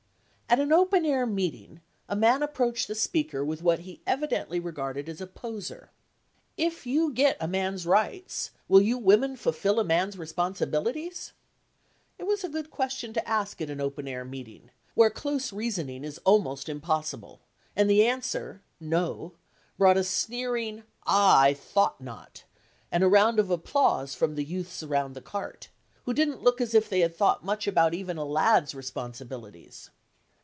At an open air meeting a man approached the speaker with what he evidently regarded as a poser: "If you get a man's rights, will you women fulfil a man's responsibilities?" It was a good question to ask at an open air meeting, where close reasoning is almost impossible, and the answer, "No," brought a sneering, "Ah, I thought not!" and a round of applause from the youths round the cart, who didn't look as if they had thought much about even a lad's responsibilities.